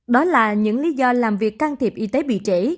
đó là những lý do làm việc can thiệp y tế bị trễ